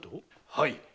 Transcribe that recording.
はい。